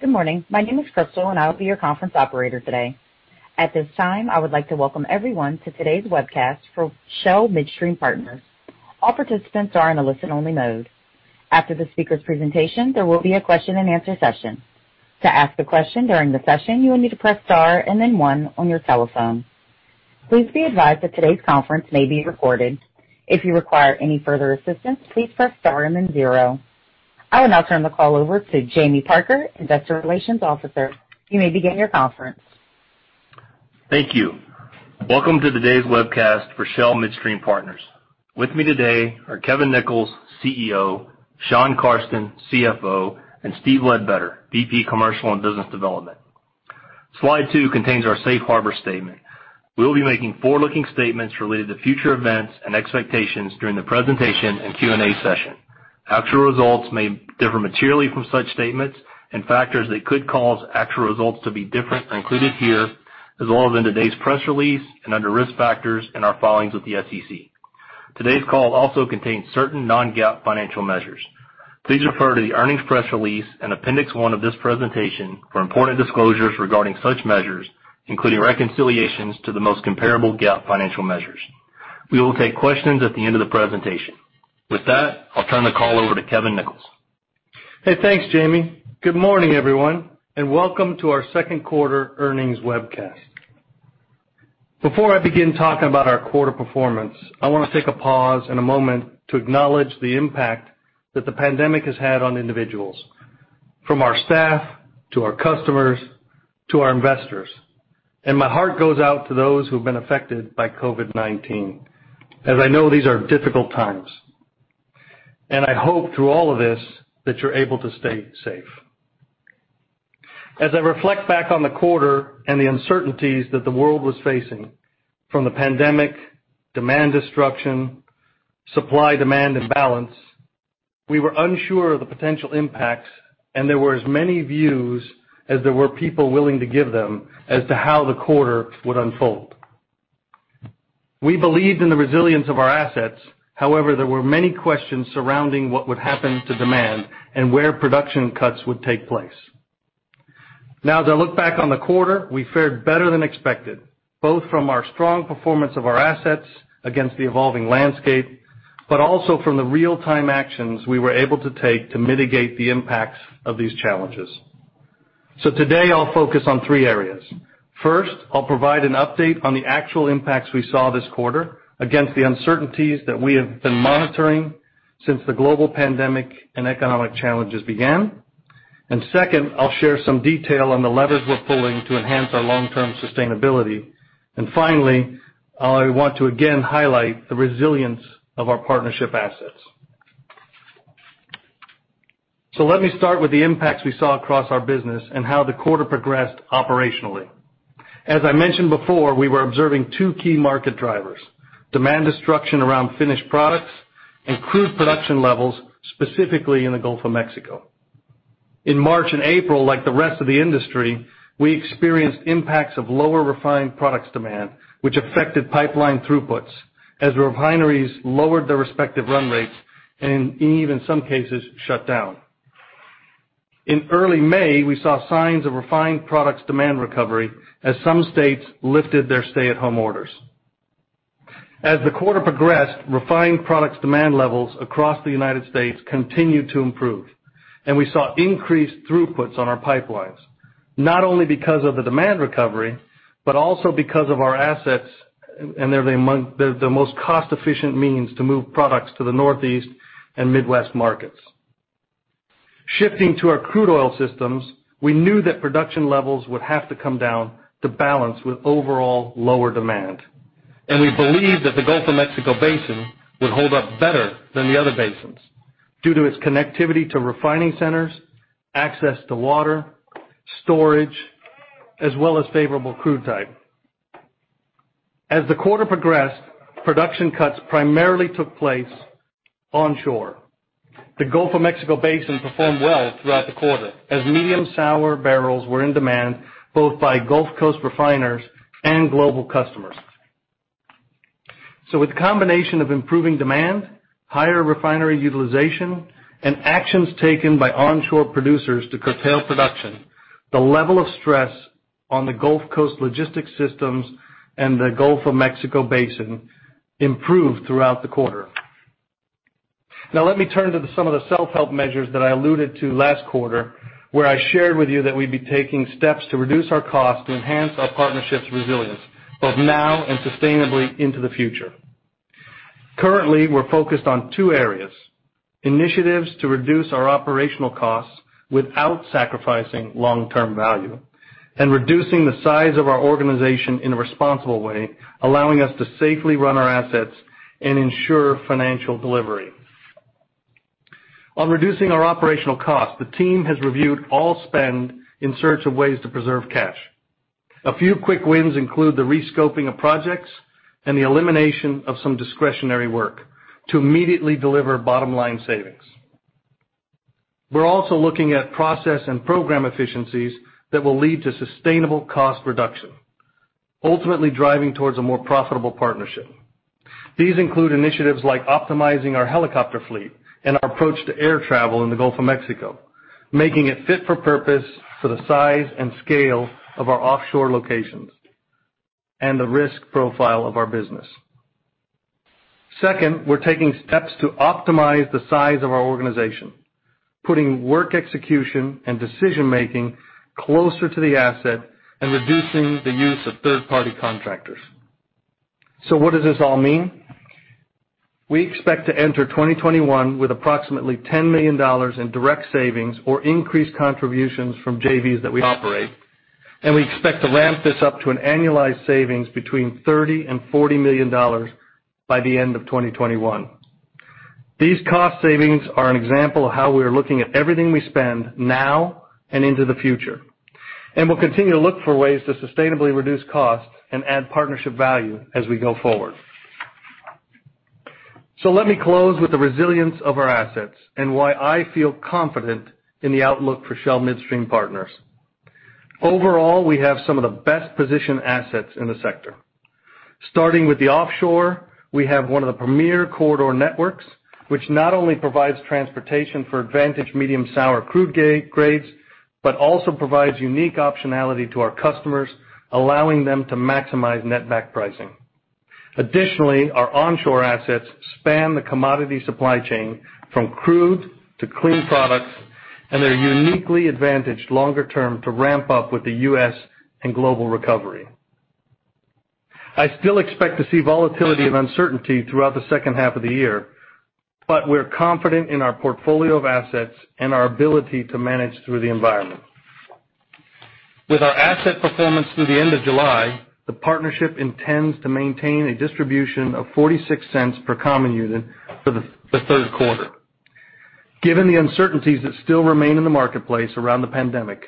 Good morning. My name is Crystal, and I will be your conference operator today. At this time, I would like to welcome everyone to today's webcast for Shell Midstream Partners. All participants are in a listen only mode. After the speaker's presentation, there will be a question and answer session. To ask a question during the session, you will need to press star and then one on your telephone. Please be advised that today's conference may be recorded. If you require any further assistance, please press star and then zero. I will now turn the call over to Jamie Parker, investor relations officer. You may begin your conference. Thank you. Welcome to today's webcast for Shell Midstream Partners. With me today are Kevin Nichols, CEO, Shawn Carsten, CFO, and Steve Ledbetter, Vice President, Commercial and Business Development. Slide two contains our safe harbor statement. We will be making forward-looking statements related to future events and expectations during the presentation and Q&A session. Actual results may differ materially from such statements, and factors that could cause actual results to be different are included here, as well as in today's press release and under risk factors in our filings with the SEC. Today's call also contains certain non-GAAP financial measures. Please refer to the earnings press release and appendix one of this presentation for important disclosures regarding such measures, including reconciliations to the most comparable GAAP financial measures. We will take questions at the end of the presentation. With that, I will turn the call over to Kevin Nichols. Hey, thanks, Jamie. Good morning, everyone, and welcome to our second quarter earnings webcast. Before I begin talking about our quarter performance, I want to take a pause and a moment to acknowledge the impact that the pandemic has had on individuals, from our staff, to our customers, to our investors. My heart goes out to those who have been affected by COVID-19, as I know these are difficult times. I hope through all of this that you are able to stay safe. As I reflect back on the quarter and the uncertainties that the world was facing, from the pandemic, demand destruction, supply-demand imbalance, we were unsure of the potential impacts, and there were as many views as there were people willing to give them as to how the quarter would unfold. We believed in the resilience of our assets. However, there were many questions surrounding what would happen to demand and where production cuts would take place. Now, as I look back on the quarter, we fared better than expected, both from our strong performance of our assets against the evolving landscape, but also from the real-time actions we were able to take to mitigate the impacts of these challenges. Today, I will focus on three areas. First, I will provide an update on the actual impacts we saw this quarter against the uncertainties that we have been monitoring since the global pandemic and economic challenges began. Second, I will share some detail on the levers we are pulling to enhance our long-term sustainability. Finally, I want to again highlight the resilience of our partnership assets. Let me start with the impacts we saw across our business and how the quarter progressed operationally. As I mentioned before, we were observing two key market drivers, demand destruction around finished products and crude production levels, specifically in the Gulf of Mexico. In March and April, like the rest of the industry, we experienced impacts of lower refined products demand, which affected pipeline throughputs as refineries lowered their respective run rates and even in some cases, shut down. In early May, we saw signs of refined products demand recovery as some states lifted their stay-at-home orders. As the quarter progressed, refined products demand levels across the U.S. continued to improve, and we saw increased throughputs on our pipelines, not only because of the demand recovery, but also because of our assets, and they're the most cost-efficient means to move products to the Northeast and Midwest markets. Shifting to our crude oil systems, we knew that production levels would have to come down to balance with overall lower demand. We believe that the Gulf of Mexico basin would hold up better than the other basins due to its connectivity to refining centers, access to water, storage, as well as favorable crude type. As the quarter progressed, production cuts primarily took place onshore. The Gulf of Mexico basin performed well throughout the quarter, as medium sour barrels were in demand both by Gulf Coast refiners and global customers. With the combination of improving demand, higher refinery utilization, and actions taken by onshore producers to curtail production, the level of stress on the Gulf Coast logistics systems and the Gulf of Mexico basin improved throughout the quarter. Now let me turn to some of the self-help measures that I alluded to last quarter, where I shared with you that we'd be taking steps to reduce our cost to enhance our partnership's resilience, both now and sustainably into the future. Currently, we're focused on two areas, initiatives to reduce our operational costs without sacrificing long-term value, and reducing the size of our organization in a responsible way, allowing us to safely run our assets and ensure financial delivery. On reducing our operational cost, the team has reviewed all spend in search of ways to preserve cash. A few quick wins include the rescoping of projects and the elimination of some discretionary work to immediately deliver bottom-line savings. We're also looking at process and program efficiencies that will lead to sustainable cost reduction. Ultimately driving towards a more profitable partnership. These include initiatives like optimizing our helicopter fleet and our approach to air travel in the Gulf of Mexico, making it fit for purpose for the size and scale of our offshore locations, and the risk profile of our business. Second, we're taking steps to optimize the size of our organization, putting work execution and decision-making closer to the asset and reducing the use of third-party contractors. What does this all mean? We expect to enter 2021 with approximately $10 million in direct savings or increased contributions from JVs that we operate, and we expect to ramp this up to an annualized savings between $30 million and $40 million by the end of 2021. These cost savings are an example of how we are looking at everything we spend now and into the future, and we'll continue to look for ways to sustainably reduce costs and add partnership value as we go forward. Let me close with the resilience of our assets and why I feel confident in the outlook for Shell Midstream Partners. Overall, we have some of the best-positioned assets in the sector. Starting with the offshore, we have one of the premier corridor networks, which not only provides transportation for advantage medium sour crude grades, but also provides unique optionality to our customers, allowing them to maximize net back pricing. Additionally, our onshore assets span the commodity supply chain from crude to clean products, and they're uniquely advantaged longer term to ramp up with the U.S. and global recovery. I still expect to see volatility and uncertainty throughout the second half of the year, but we're confident in our portfolio of assets and our ability to manage through the environment. With our asset performance through the end of July, the partnership intends to maintain a distribution of $0.46 per common unit for the third quarter. Given the uncertainties that still remain in the marketplace around the pandemic,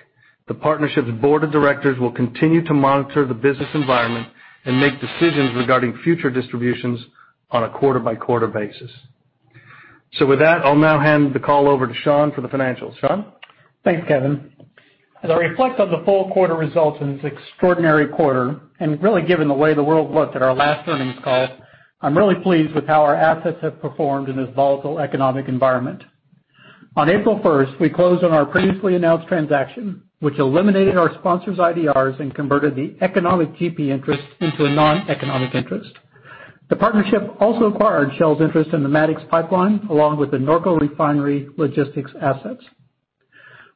the partnership's board of directors will continue to monitor the business environment and make decisions regarding future distributions on a quarter-by-quarter basis. With that, I'll now hand the call over to Shawn for the financials. Shawn? Thanks, Kevin. As I reflect on the full quarter results in this extraordinary quarter, and really given the way the world looked at our last earnings call, I'm really pleased with how our assets have performed in this volatile economic environment. On April first, we closed on our previously announced transaction, which eliminated our sponsors' IDRs and converted the economic GP interest into a non-economic interest. The partnership also acquired Shell's interest in the Mattox Pipeline, along with the Norco refinery logistics assets.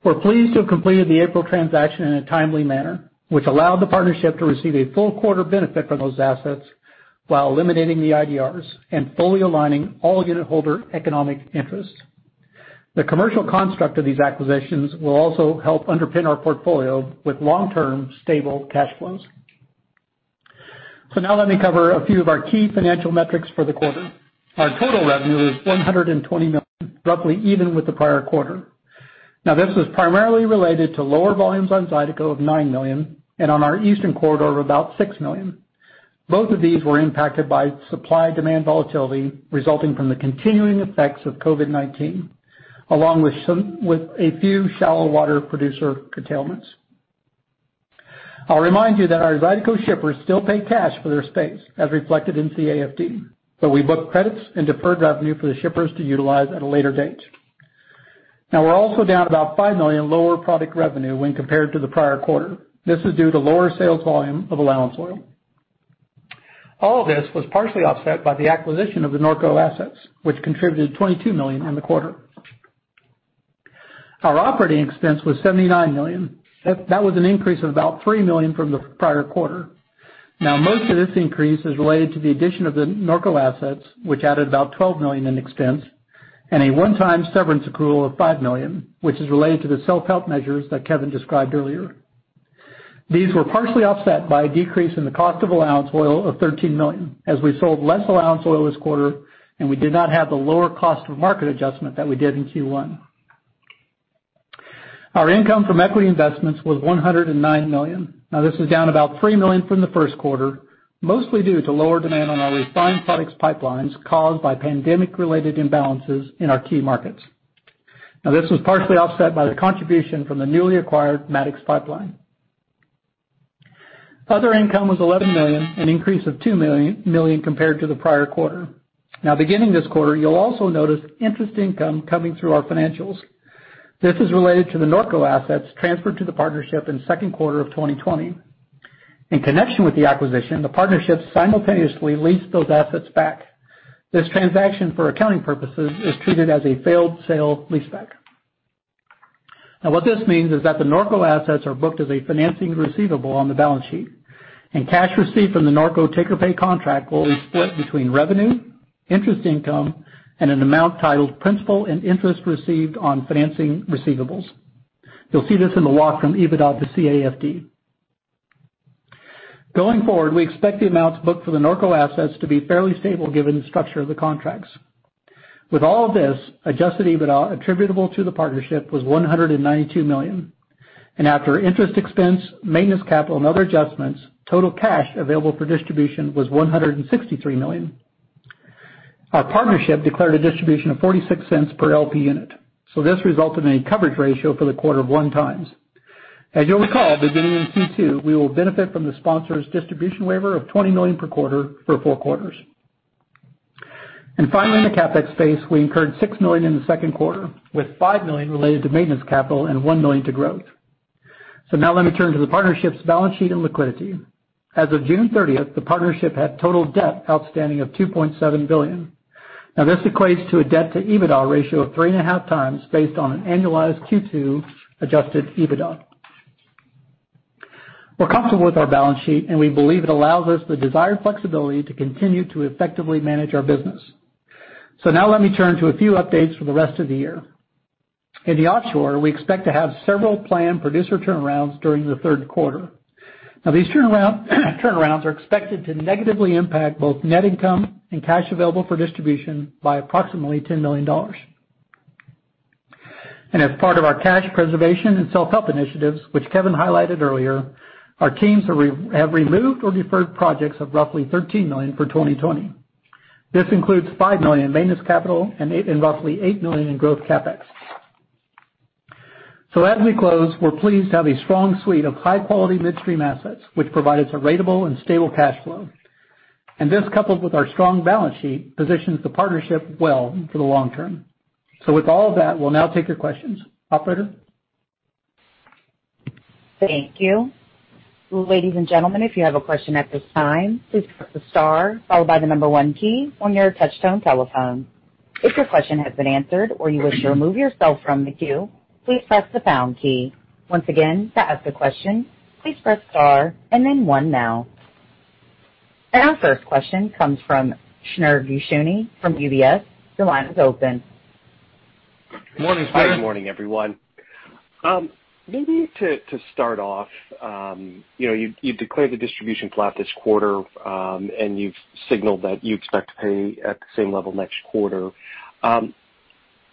We're pleased to have completed the April transaction in a timely manner, which allowed the partnership to receive a full quarter benefit from those assets while eliminating the IDRs and fully aligning all unitholder economic interests. The commercial construct of these acquisitions will also help underpin our portfolio with long-term stable cash flows. Now let me cover a few of our key financial metrics for the quarter. Our total revenue was $120 million, roughly even with the prior quarter. This was primarily related to lower volumes on Zydeco of $9 million and on our Eastern Corridor of about $6 million. Both of these were impacted by supply-demand volatility resulting from the continuing effects of COVID-19, along with a few shallow water producer curtailments. I'll remind you that our Zydeco shippers still pay cash for their space, as reflected in CAFD, but we book credits and deferred revenue for the shippers to utilize at a later date. We're also down about $5 million lower product revenue when compared to the prior quarter. This is due to lower sales volume of allowance oil. All of this was partially offset by the acquisition of the Norco assets, which contributed $22 million in the quarter. Our operating expense was $79 million. That was an increase of about $3 million from the prior quarter. Most of this increase is related to the addition of the Norco assets, which added about $12 million in expense, and a one-time severance accrual of $5 million, which is related to the self-help measures that Kevin described earlier. These were partially offset by a decrease in the cost of allowance oil of $13 million, as we sold less allowance oil this quarter, and we did not have the lower cost of market adjustment that we did in Q1. Our income from equity investments was $109 million. This is down about $3 million from the first quarter, mostly due to lower demand on our refined products pipelines caused by COVID-19-related imbalances in our key markets. This was partially offset by the contribution from the newly acquired Mattox Pipeline. Other income was $11 million, an increase of $2 million compared to the prior quarter. Beginning this quarter, you'll also notice interest income coming through our financials. This is related to the Norco assets transferred to the partnership in second quarter of 2020. In connection with the acquisition, the partnership simultaneously leased those assets back. This transaction, for accounting purposes, is treated as a failed sale and leaseback. What this means is that the Norco assets are booked as a financing receivable on the balance sheet, and cash received from the Norco take-or-pay contract will be split between revenue, interest income, and an amount titled "Principal and Interest Received on Financing Receivables." You'll see this in the walk from EBITDA to CAFD. Going forward, we expect the amounts booked for the Norco assets to be fairly stable given the structure of the contracts. With all of this, adjusted EBITDA attributable to the partnership was $192 million. After interest expense, maintenance capital, and other adjustments, total cash available for distribution was $163 million. Our partnership declared a distribution of $0.46 per LP unit. This resulted in a coverage ratio for the quarter of one times. As you'll recall, beginning in Q2, we will benefit from the sponsor's distribution waiver of $20 million per quarter for four quarters. Finally, in the CapEx space, we incurred $6 million in the second quarter, with $5 million related to maintenance capital and $1 million to growth. Let me turn to the partnership's balance sheet and liquidity. As of June 30th, the partnership had total debt outstanding of $2.7 billion. This equates to a debt to EBITDA ratio of 3.5 times based on an annualized Q2 adjusted EBITDA. We're comfortable with our balance sheet, and we believe it allows us the desired flexibility to continue to effectively manage our business. Let me turn to a few updates for the rest of the year. In the offshore, we expect to have several planned producer turnarounds during the third quarter. These turnarounds are expected to negatively impact both net income and cash available for distribution by approximately $10 million. As part of our cash preservation and self-help initiatives, which Kevin highlighted earlier, our teams have removed or deferred projects of roughly $13 million for 2020. This includes $5 million in maintenance capital and roughly $8 million in growth CapEx. As we close, we're pleased to have a strong suite of high-quality midstream assets, which provide us a ratable and stable cash flow. This, coupled with our strong balance sheet, positions the partnership well for the long term. With all of that, we'll now take your questions. Operator? Thank you. Ladies and gentlemen, if you have a question at this time, please press the star followed by the number one key on your touch-tone telephone. If your question has been answered or you wish to remove yourself from the queue, please press the pound key. Once again, to ask a question, please press star and then one now. Our first question comes from Shneur Gershuni from UBS. Your line is open. Morning, Shneur. Hi, good morning, everyone. Maybe to start off, you've declared the distribution flat this quarter, you've signaled that you expect to pay at the same level next quarter.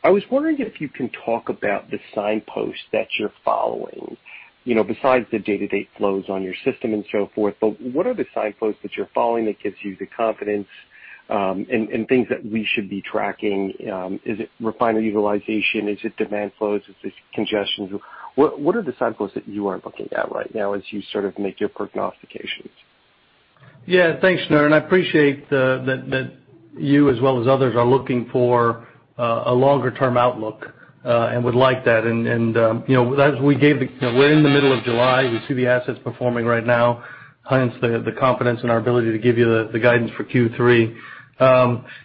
I was wondering if you can talk about the signposts that you're following. Besides the day-to-day flows on your system and so forth, what are the signposts that you're following that gives you the confidence, and things that we should be tracking? Is it refinery utilization? Is it demand flows? Is it congestion? What are the signposts that you are looking at right now as you sort of make your prognostications? Yeah. Thanks, Shneur, I appreciate that you, as well as others, are looking for a longer-term outlook and would like that. We're in the middle of July. We see the assets performing right now, hence the confidence in our ability to give you the guidance for Q3.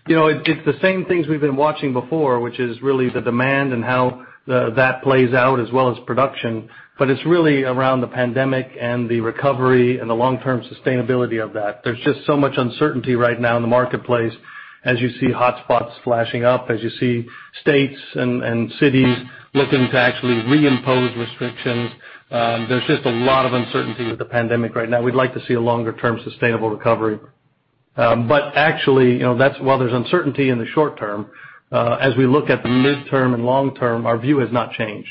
It's the same things we've been watching before, which is really the demand and how that plays out as well as production, but it's really around the pandemic and the recovery and the long-term sustainability of that. There's just so much uncertainty right now in the marketplace as you see hotspots flashing up, as you see states and cities looking to actually reimpose restrictions. There's just a lot of uncertainty with the pandemic right now. We'd like to see a longer-term sustainable recovery. Actually, while there's uncertainty in the short term, as we look at the midterm and long term, our view has not changed.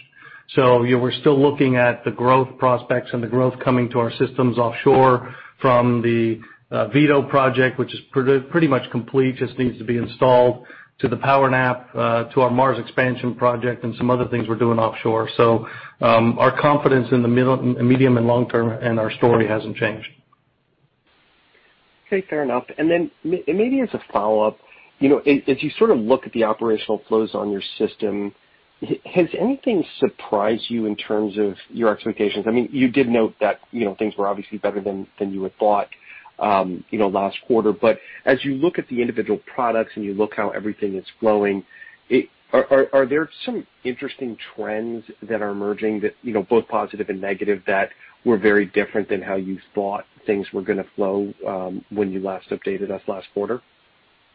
We're still looking at the growth prospects and the growth coming to our systems offshore from the Vito project, which is pretty much complete, just needs to be installed, to the PowerNap, to our Mars expansion project and some other things we're doing offshore. Our confidence in the medium and long term, and our story hasn't changed. Okay, fair enough. Maybe as a follow-up, as you sort of look at the operational flows on your system, has anything surprised you in terms of your expectations? You did note that things were obviously better than you had thought last quarter. As you look at the individual products and you look how everything is flowing, are there some interesting trends that are emerging that, both positive and negative, that were very different than how you thought things were going to flow when you last updated us last quarter?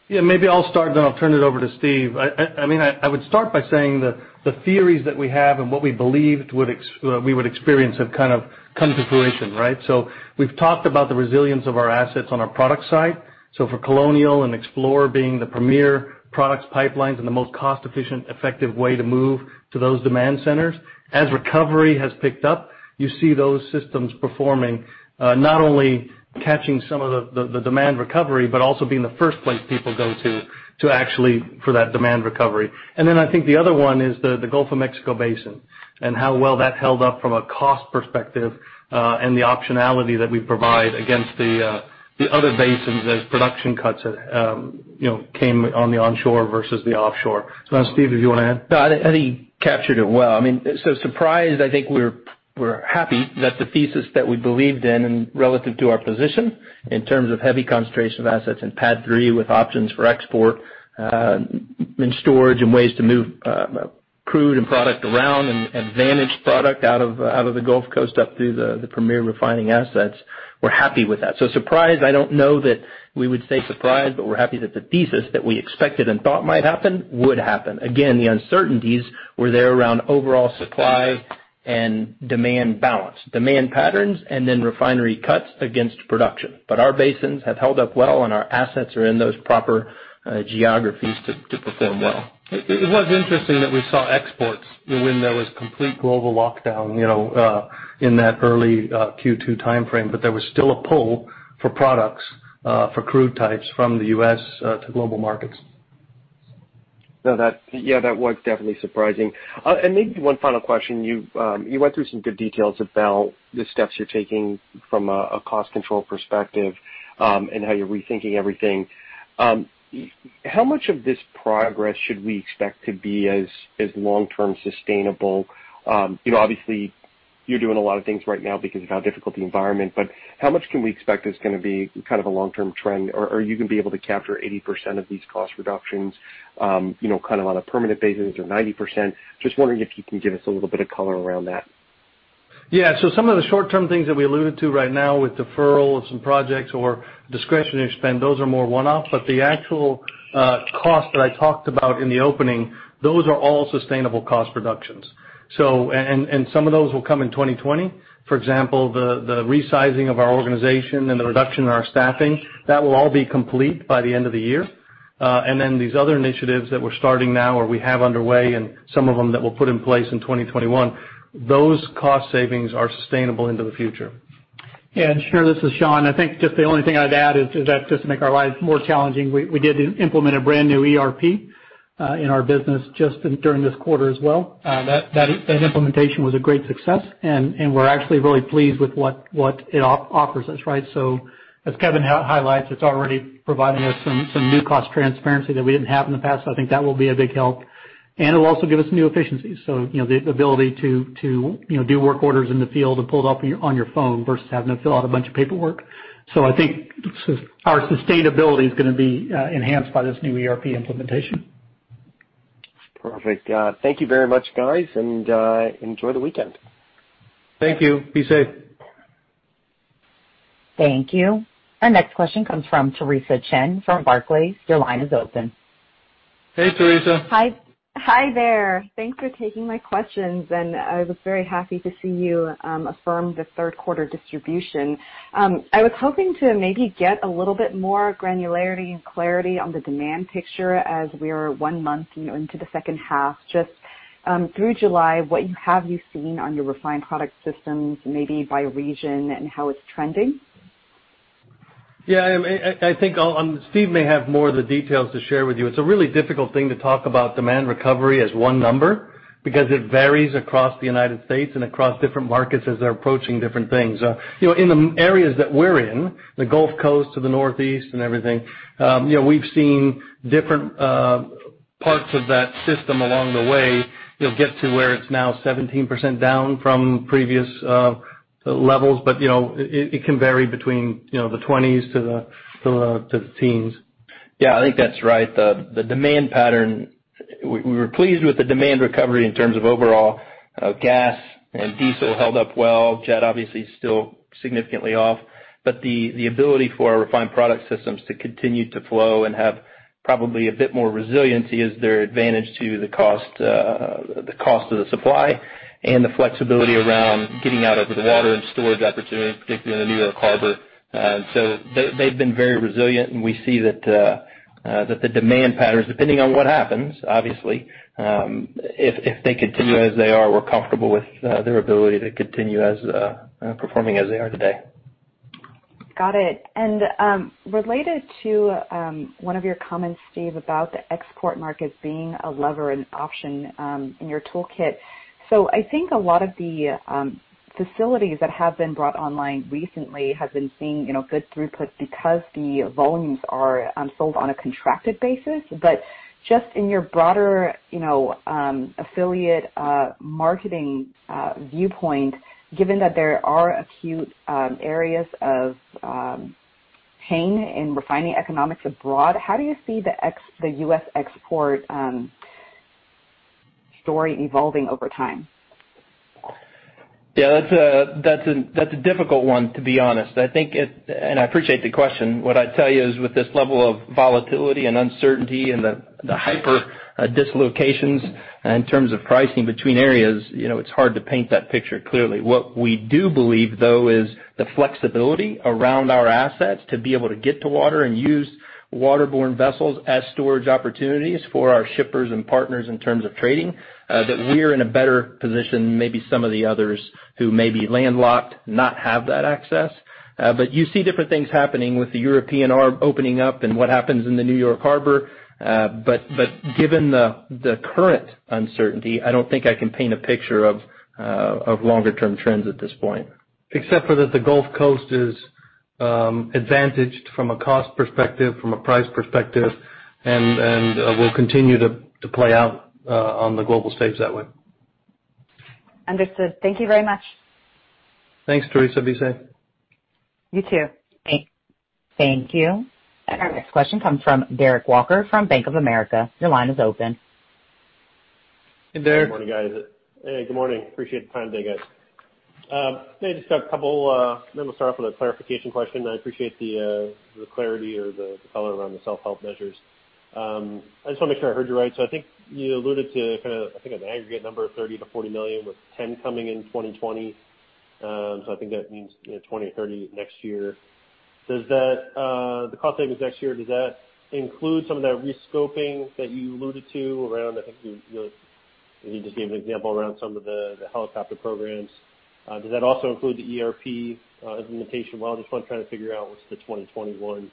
Yeah, maybe I'll start, then I'll turn it over to Steve. I would start by saying the theories that we have and what we believed we would experience have kind of come to fruition, right? We've talked about the resilience of our assets on our product side. For Colonial and Explorer being the premier products pipelines and the most cost-efficient, effective way to move to those demand centers. As recovery has picked up, you see those systems performing, not only catching some of the demand recovery, but also being the first place people go to actually for that demand recovery. I think the other one is the Gulf of Mexico basin, and how well that held up from a cost perspective, and the optionality that we provide against the other basins as production cuts came on the onshore versus the offshore. Steve, did you want to add? No, I think you captured it well. Surprised, I think we're happy that the thesis that we believed in and relative to our position in terms of heavy concentration of assets in PADD 3 with options for export, and storage and ways to move crude and product around, and vantage product out of the Gulf Coast up through the premier refining assets. We're happy with that. Surprised, I don't know that we would say surprised, but we're happy that the thesis that we expected and thought might happen, would happen. Again, the uncertainties were there around overall supply and demand balance. Demand patterns, and then refinery cuts against production. Our basins have held up well, and our assets are in those proper geographies to perform well. It was interesting that we saw exports when there was complete global lockdown in that early Q2 timeframe. There was still a pull for products for crude types from the U.S. to global markets. No, that was definitely surprising. Maybe one final question. You went through some good details about the steps you're taking from a cost control perspective, and how you're rethinking everything. How much of this progress should we expect to be as long-term sustainable? Obviously you're doing a lot of things right now because of how difficult the environment. How much can we expect is going to be a long-term trend? Are you going to be able to capture 80% of these cost reductions on a permanent basis or 90%? Just wondering if you can give us a little bit of color around that. Some of the short-term things that we alluded to right now with deferral of some projects or discretionary spend, those are more one-off, the actual cost that I talked about in the opening, those are all sustainable cost reductions. Some of those will come in 2020. For example, the resizing of our organization and the reduction in our staffing, that will all be complete by the end of the year. Then these other initiatives that we're starting now or we have underway, and some of them that we'll put in place in 2021, those cost savings are sustainable into the future. This is Shawn. I think just the only thing I'd add is that just to make our lives more challenging, we did implement a brand new ERP in our business just during this quarter as well. That implementation was a great success, we're actually really pleased with what it offers us. As Kevin highlights, it's already providing us some new cost transparency that we didn't have in the past. I think that will be a big help, it'll also give us new efficiencies. The ability to do work orders in the field and pull it up on your phone versus having to fill out a bunch of paperwork. I think our sustainability is going to be enhanced by this new ERP implementation. Perfect. Thank you very much, guys, enjoy the weekend. Thank you. Be safe. Thank you. Our next question comes from Theresa Chen from Barclays. Your line is open. Hey, Theresa. Hi there. Thanks for taking my questions. I was very happy to see you affirm the third quarter distribution. I was hoping to maybe get a little bit more granularity and clarity on the demand picture as we are one month into the second half. Just through July, what have you seen on your refined product systems, maybe by region, and how it's trending? I think Steve may have more of the details to share with you. It's a really difficult thing to talk about demand recovery as one number, because it varies across the United States and across different markets as they're approaching different things. In the areas that we're in, the Gulf Coast to the Northeast and everything, we've seen different parts of that system along the way. You'll get to where it's now 17% down from previous levels. It can vary between the twenties to the teens. I think that's right. The demand pattern, we were pleased with the demand recovery in terms of overall gas and diesel held up well. Jet obviously is still significantly off. The ability for our refined product systems to continue to flow and have probably a bit more resiliency is their advantage to the cost of the supply and the flexibility around getting out over the water and storage opportunities, particularly in the New York Harbor. They've been very resilient, and we see that the demand patterns, depending on what happens, obviously, if they continue as they are, we're comfortable with their ability to continue performing as they are today. Got it. Related to one of your comments, Steve, about the export market being a lever and option in your toolkit. I think a lot of the facilities that have been brought online recently have been seeing good throughputs because the volumes are sold on a contracted basis. Just in your broader affiliate marketing viewpoint, given that there are acute areas of pain in refining economics abroad, how do you see the U.S. export story evolving over time? Yeah, that's a difficult one, to be honest. I appreciate the question. What I'd tell you is with this level of volatility and uncertainty and the hyper dislocations in terms of pricing between areas, it's hard to paint that picture clearly. What we do believe, though, is the flexibility around our assets to be able to get to water and use waterborne vessels as storage opportunities for our shippers and partners in terms of trading, that we're in a better position than maybe some of the others who may be landlocked, not have that access. You see different things happening with the European arb opening up and what happens in the New York Harbor. Given the current uncertainty, I don't think I can paint a picture of longer-term trends at this point. Except for that the Gulf Coast is advantaged from a cost perspective, from a price perspective, and will continue to play out on the global stage that way. Understood. Thank you very much. Thanks, Theresa. Be safe. You too. Thank you. Our next question comes from Derek Walker from Bank of America. Your line is open. Hey, Derek. Good morning, guys. Hey, good morning. Appreciate the time today, guys. I just got a couple. Maybe we'll start off with a clarification question. I appreciate the clarity or the color around the self-help measures. I just want to make sure I heard you right. I think you alluded to kind of, I think, an aggregate number of $30 million-$40 million, with 10 coming in 2020. I think that means 20 or 30 next year. The cost savings next year, does that include some of that re-scoping that you alluded to around, I think You just gave an example around some of the helicopter programs. Does that also include the ERP implementation? I'm just trying to figure out what's the 2021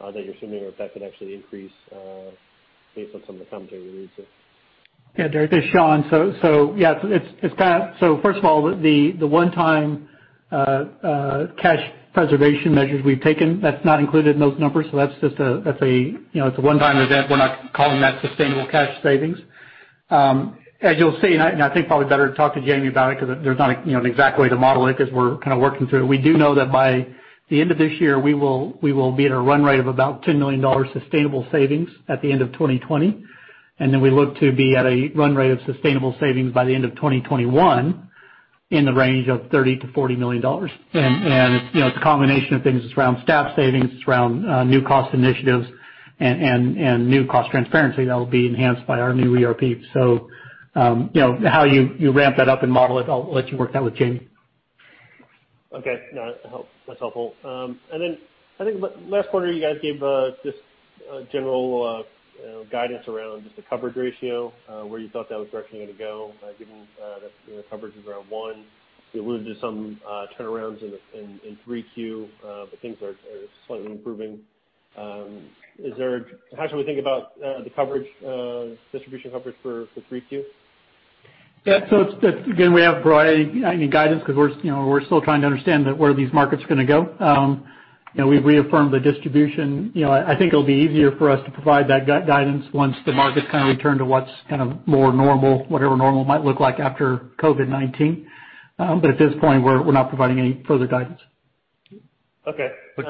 that you're assuming, or if that could actually increase based on some of the commentary related to it. Yeah, Derek, this is Shawn. First of all, the one-time cash preservation measures we've taken, that's not included in those numbers. That's a one-time event. We're not calling that sustainable cash savings. As you'll see, and I think probably better to talk to Jamie about it because there's not an exact way to model it because we're kind of working through it. We do know that by the end of this year, we will be at a run rate of about $10 million sustainable savings at the end of 2020. Then we look to be at a run rate of sustainable savings by the end of 2021 in the range of $30 million-$40 million. It's a combination of things. It's around staff savings, it's around new cost initiatives and new cost transparency that will be enhanced by our new ERP. How you ramp that up and model it, I'll let you work that with Jamie. Okay. No, that's helpful. I think last quarter, you guys gave just a general guidance around just the coverage ratio, where you thought that was directionally going to go, given that the coverage is around one. You alluded to some turnarounds in 3Q, but things are slightly improving. How should we think about the distribution coverage for 3Q? Yeah. Again, we have broad guidance because we're still trying to understand where these markets are going to go. We've reaffirmed the distribution. I think it'll be easier for us to provide that guidance once the markets kind of return to what's kind of more normal, whatever normal might look like after COVID-19. At this point, we're not providing any further guidance. Okay. That's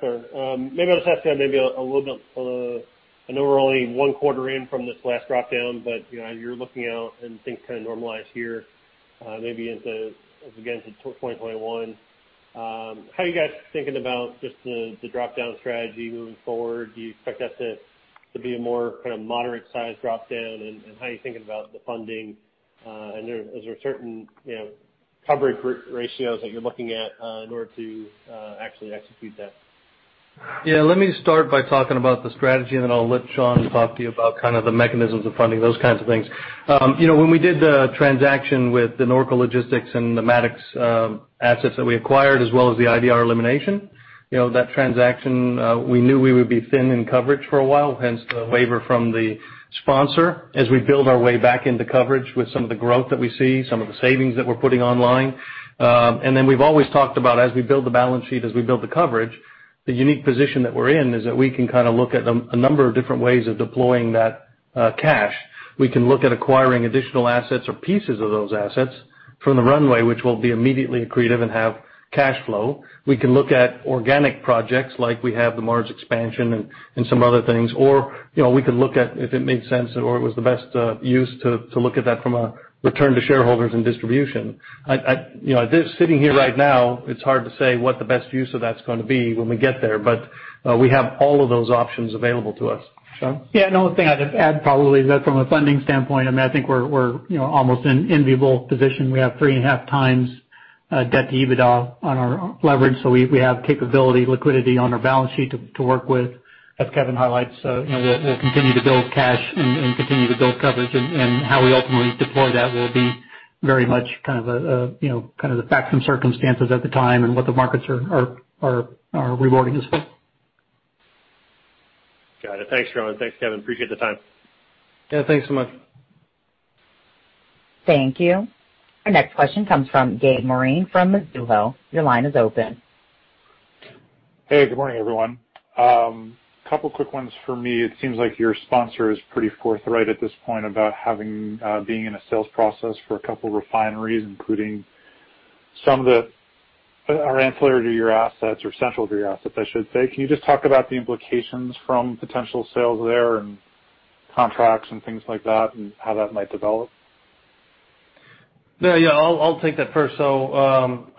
fair. Maybe I'll just ask maybe a little bit. I know we're only one quarter in from this last drop-down, but as you're looking out and things kind of normalize here, maybe as, again, to 2021, how are you guys thinking about just the drop-down strategy moving forward? Do you expect that to be a more kind of moderate size drop-down, and how are you thinking about the funding? Is there certain coverage ratios that you're looking at in order to actually execute that? Yeah, let me start by talking about the strategy. I'll let Shawn talk to you about kind of the mechanisms of funding, those kinds of things. When we did the transaction with the Norco Logistics and the Mattox assets that we acquired, as well as the IDR elimination, that transaction, we knew we would be thin in coverage for a while, hence the waiver from the sponsor as we build our way back into coverage with some of the growth that we see, some of the savings that we're putting online. We've always talked about as we build the balance sheet, as we build the coverage, the unique position that we're in is that we can kind of look at a number of different ways of deploying that cash. We can look at acquiring additional assets or pieces of those assets from the runway, which will be immediately accretive and have cash flow. We can look at organic projects like we have the Mars expansion and some other things. We could look at if it made sense or it was the best use to look at that from a return to shareholders and distribution. Sitting here right now, it's hard to say what the best use of that's going to be when we get there, but we have all of those options available to us. Shawn? Yeah. The only thing I'd just add probably is that from a funding standpoint, I think we're almost in an enviable position. We have 3.5 times debt to EBITDA on our leverage. We have capability, liquidity on our balance sheet to work with. As Kevin highlights, we'll continue to build cash and continue to build coverage, and how we ultimately deploy that will be very much kind of the facts and circumstances at the time and what the markets are rewarding us for. Got it. Thanks, Shawn. Thanks, Kevin. Appreciate the time. Yeah, thanks so much. Thank you. Our next question comes from Gabe Moreen from Mizuho. Your line is open. Hey, good morning, everyone. Couple quick ones for me. It seems like your sponsor is pretty forthright at this point about being in a sales process for a couple refineries, including some that are ancillary to your assets or central to your assets, I should say. Can you just talk about the implications from potential sales there and contracts and things like that, and how that might develop? Yeah.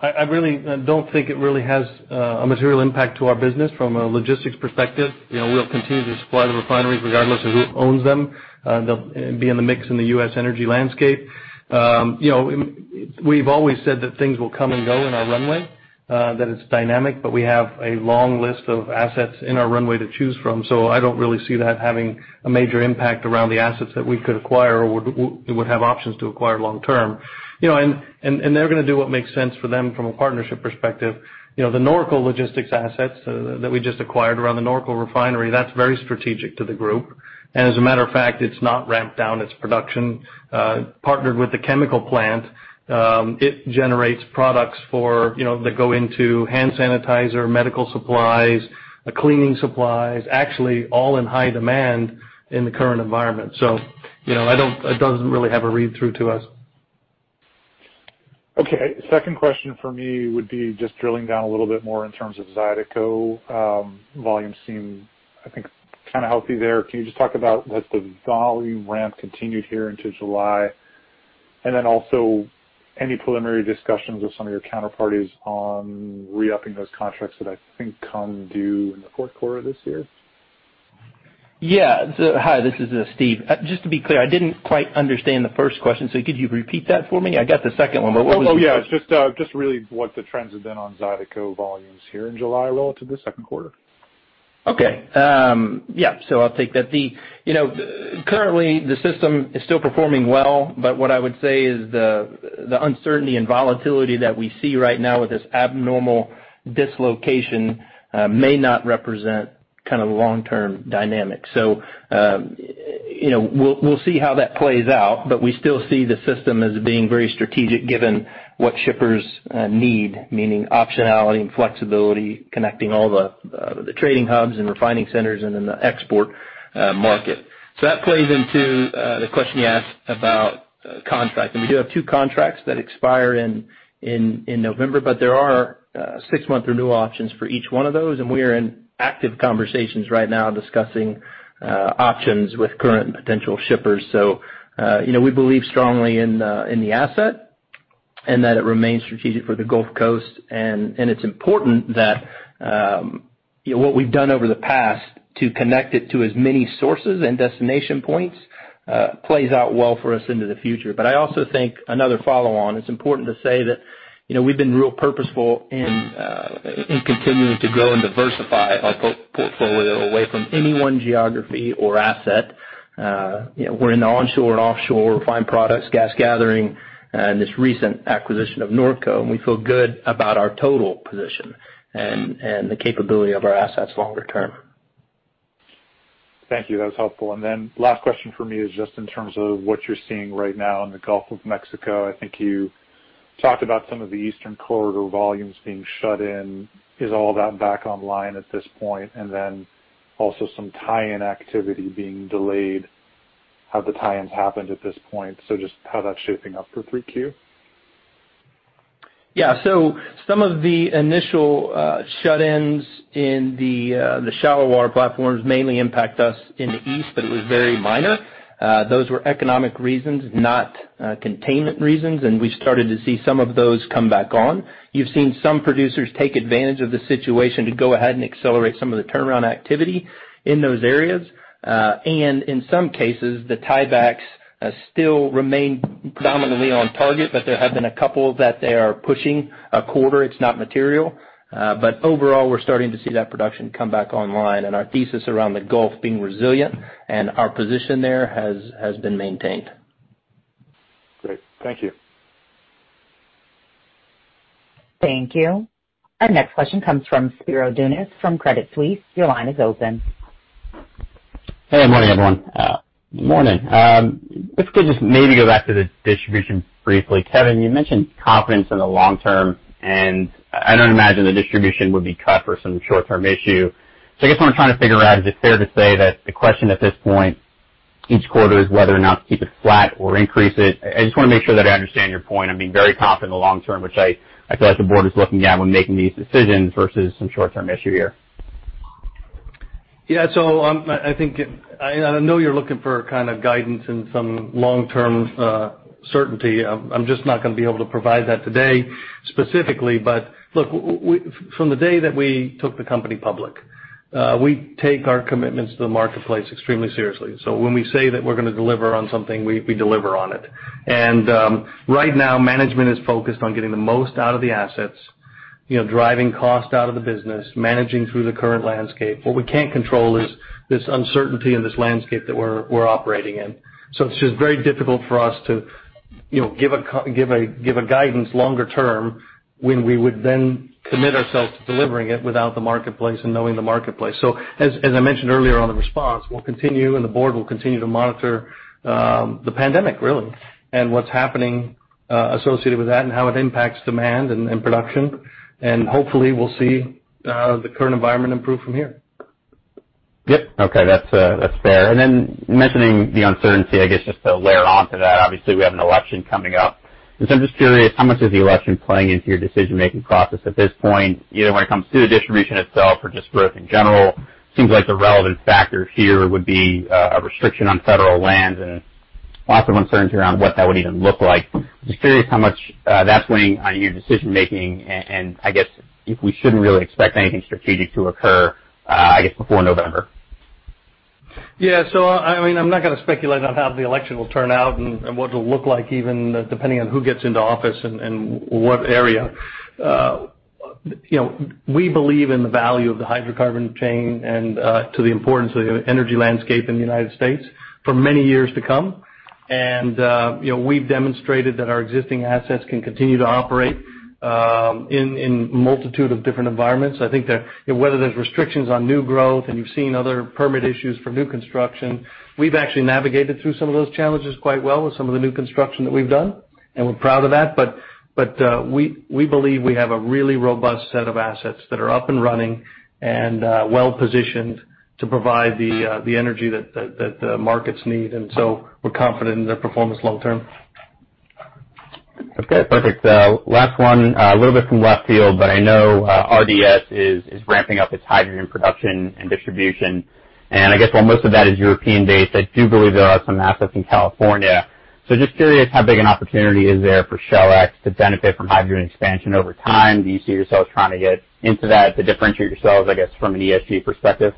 I really don't think it really has a material impact to our business from a logistics perspective. We'll continue to supply the refineries regardless of who owns them. They'll be in the mix in the U.S. energy landscape. We've always said that things will come and go in our runway, that it's dynamic, but we have a long list of assets in our runway to choose from. I don't really see that having a major impact around the assets that we could acquire or would have options to acquire long term. They're going to do what makes sense for them from a partnership perspective. The Norco Logistics assets that we just acquired around the Norco refinery, that's very strategic to the group. As a matter of fact, it's not ramped down its production. Partnered with the chemical plant, it generates products that go into hand sanitizer, medical supplies, cleaning supplies, actually all in high demand in the current environment. It doesn't really have a read-through to us. Okay. Second question for me would be just drilling down a little bit more in terms of Zydeco. Volumes seem, I think, kind of healthy there. Can you just talk about has the volume ramp continued here into July? And then also, any preliminary discussions with some of your counterparties on re-upping those contracts that I think come due in the fourth quarter of this year? Yeah. Hi, this is Steve. Just to be clear, I didn't quite understand the first question, so could you repeat that for me? I got the second one, but what was the first? Yeah. Just really what the trends have been on Zydeco volumes here in July relative to second quarter. Okay. Yeah, I'll take that. Currently, the system is still performing well, but what I would say is the uncertainty and volatility that we see right now with this abnormal dislocation may not represent long-term dynamics. We'll see how that plays out, but we still see the system as being very strategic given what shippers need, meaning optionality and flexibility, connecting all the trading hubs and refining centers, and then the export market. That plays into the question you asked about contracts. We do have two contracts that expire in November, but there are six-month renewal options for each one of those, and we are in active conversations right now discussing options with current potential shippers. We believe strongly in the asset and that it remains strategic for the Gulf Coast. It's important that what we've done over the past to connect it to as many sources and destination points plays out well for us into the future. I also think another follow on, it's important to say that we've been real purposeful in continuing to grow and diversify our portfolio away from any one geography or asset. We're in onshore and offshore refined products, gas gathering, and this recent acquisition of Norco, and we feel good about our total position and the capability of our assets longer term. Thank you. That was helpful. Last question from me is just in terms of what you're seeing right now in the Gulf of Mexico. I think you talked about some of the Eastern Corridor volumes being shut in. Is all that back online at this point? Also some tie-in activity being delayed. Have the tie-ins happened at this point? Just how that's shaping up for 3Q. Yeah. Some of the initial shut-ins in the shallow water platforms mainly impact us in the east, but it was very minor. Those were economic reasons, not containment reasons, and we started to see some of those come back on. You've seen some producers take advantage of the situation to go ahead and accelerate some of the turnaround activity in those areas. In some cases, the tiebacks still remain predominantly on target, but there have been a couple that they are pushing a quarter. It's not material. Overall, we're starting to see that production come back online and our thesis around the Gulf being resilient and our position there has been maintained. Great. Thank you. Thank you. Our next question comes from Spiro Dounis from Credit Suisse. Your line is open. Hey, good morning, everyone. Morning. If we could just maybe go back to the distribution briefly. Kevin, you mentioned confidence in the long term, I don't imagine the distribution would be cut for some short-term issue. I guess what I'm trying to figure out, is it fair to say that the question at this point each quarter is whether or not to keep it flat or increase it? I just want to make sure that I understand your point and being very confident in the long term, which I feel like the board is looking at when making these decisions versus some short-term issue here. Yeah. I know you're looking for kind of guidance and some long-term certainty. I'm just not going to be able to provide that today specifically. Look, from the day that we took the company public, we take our commitments to the marketplace extremely seriously. When we say that we're going to deliver on something, we deliver on it. Right now, management is focused on getting the most out of the assets, driving cost out of the business, managing through the current landscape. What we can't control is this uncertainty and this landscape that we're operating in. It's just very difficult for us to give a guidance longer term when we would then commit ourselves to delivering it without the marketplace and knowing the marketplace. As I mentioned earlier on the response, we'll continue, the board will continue to monitor the pandemic, really, and what's happening associated with that and how it impacts demand and production. Hopefully we'll see the current environment improve from here. Yep. Okay. That's fair. Mentioning the uncertainty, I guess, just to layer on to that, obviously, we have an election coming up. I'm just curious, how much is the election playing into your decision-making process at this point, either when it comes to the distribution itself or just growth in general? Seems like the relevant factor here would be a restriction on federal lands and lots of uncertainty around what that would even look like. Just curious how much that's weighing on your decision making, and I guess if we shouldn't really expect anything strategic to occur, I guess, before November. Yeah. I'm not going to speculate on how the election will turn out and what it'll look like, even depending on who gets into office and what area. We believe in the value of the hydrocarbon chain and to the importance of the energy landscape in the United States for many years to come. We've demonstrated that our existing assets can continue to operate in a multitude of different environments. I think that whether there's restrictions on new growth and you've seen other permit issues for new construction, we've actually navigated through some of those challenges quite well with some of the new construction that we've done, and we're proud of that. We believe we have a really robust set of assets that are up and running and well-positioned to provide the energy that the markets need. We're confident in their performance long term. Okay, perfect. Last one, a little bit from left field, but I know RDS is ramping up its hydrogen production and distribution. I guess while most of that is European-based, I do believe there are some assets in California. Just curious how big an opportunity is there for SHLX to benefit from hydrogen expansion over time? Do you see yourselves trying to get into that to differentiate yourselves, I guess, from an ESG perspective?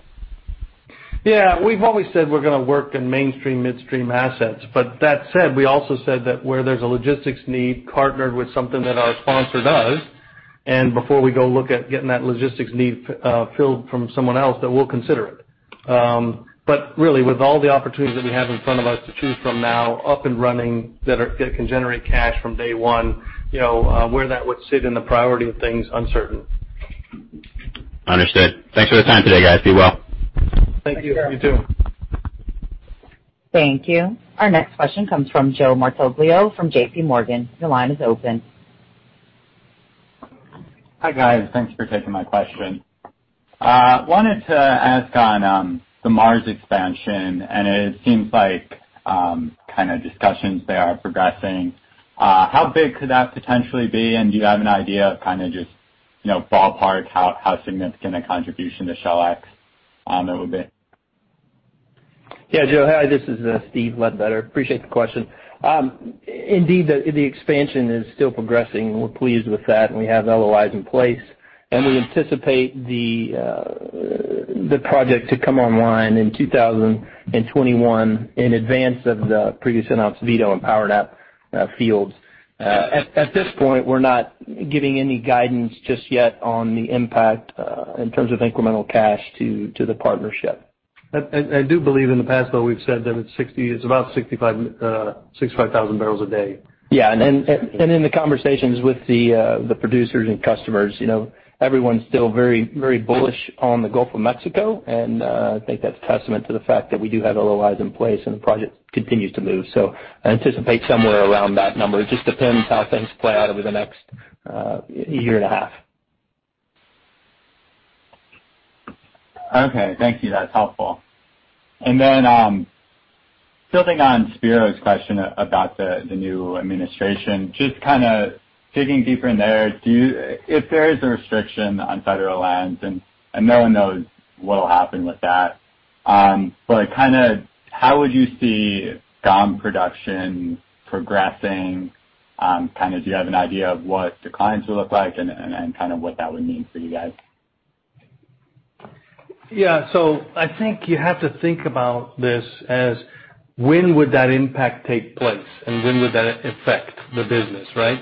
Yeah. We've always said we're going to work in mainstream midstream assets. That said, we also said that where there's a logistics need partnered with something that our sponsor does, and before we go look at getting that logistics need filled from someone else, that we'll consider it. Really, with all the opportunities that we have in front of us to choose from now up and running that can generate cash from day one, where that would sit in the priority of things, uncertain. Understood. Thanks for the time today, guys. Be well. Thank you. You too. Thank you. Our next question comes from Joe Martoglio from JPMorgan. Your line is open. Hi, guys. Thanks for taking my question. Wanted to ask on, the Mars expansion, and it seems like discussions there are progressing. How big could that potentially be, and do you have an idea of just ballpark how significant a contribution to SHLX on it would be? Joe. Hi, this is Steve Ledbetter. Appreciate the question. Indeed, the expansion is still progressing, and we're pleased with that. We have LOIs in place, and we anticipate the project to come online in 2021 in advance of the previous announced Vito and PowerNap fields. At this point, we're not giving any guidance just yet on the impact, in terms of incremental cash to the partnership. I do believe in the past, though, we've said that it's about 65,000 barrels a day. In the conversations with the producers and customers, everyone's still very bullish on the Gulf of Mexico. I think that's testament to the fact that we do have LOIs in place, and the project continues to move. I anticipate somewhere around that number. It just depends how things play out over the next year and a half. Thank you. That's helpful. Building on Spiro's question about the new administration, just digging deeper in there, if there is a restriction on federal lands, and no one knows what'll happen with that, how would you see GOM production progressing? Do you have an idea of what declines will look like and what that would mean for you guys? Yeah. I think you have to think about this as when would that impact take place, and when would that affect the business, right?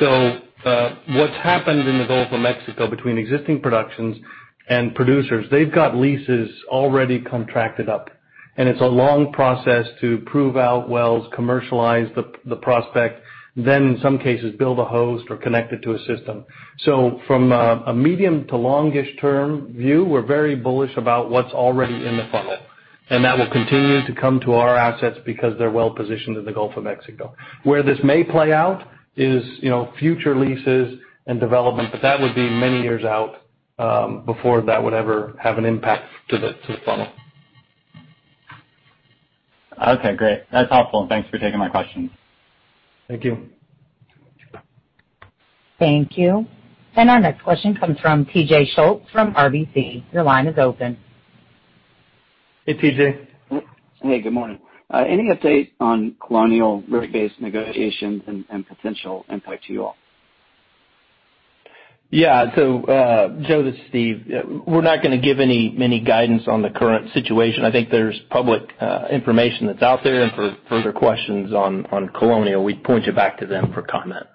What's happened in the Gulf of Mexico between existing productions and producers, they've got leases already contracted up. It's a long process to prove out wells, commercialize the prospect, then in some cases, build a host or connect it to a system. From a medium to longish term view, we're very bullish about what's already in the funnel. That will continue to come to our assets because they're well positioned in the Gulf of Mexico. Where this may play out is future leases and development, but that would be many years out, before that would ever have an impact to the funnel. Okay, great. That's helpful. Thanks for taking my questions. Thank you. Thank you. Our next question comes from T.J. Schultz from RBC. Your line is open. Hey, T.J. Hey, good morning. Any update on Colonial rate base negotiations and potential impact to you all? Yeah. Joe, this is Steve. We're not gonna give any guidance on the current situation. I think there's public information that's out there, for further questions on Colonial, we'd point you back to them for comment.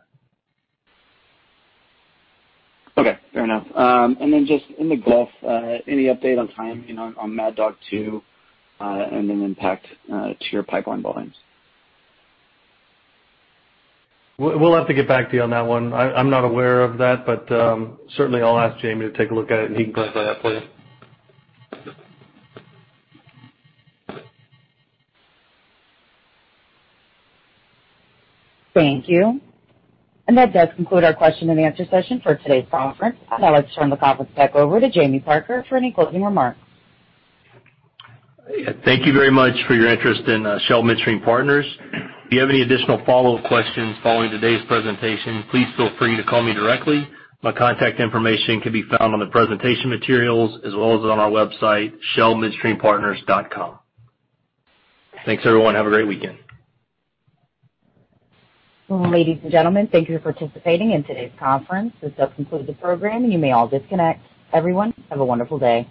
Okay. Fair enough. Just in the Gulf, any update on timing on Mad Dog 2, impact to your pipeline volumes? We'll have to get back to you on that one. I'm not aware of that, certainly I'll ask Jamie to take a look at it, and he can clarify that for you. Thank you. That does conclude our question and answer session for today's conference. I'd now like to turn the conference back over to Jamie Parker for any closing remarks. Thank you very much for your interest in Shell Midstream Partners. If you have any additional follow-up questions following today's presentation, please feel free to call me directly. My contact information can be found on the presentation materials as well as on our website, shellmidstreampartners.com. Thanks, everyone. Have a great weekend. Ladies and gentlemen, thank you for participating in today's conference. This does conclude the program. You may all disconnect. Everyone, have a wonderful day.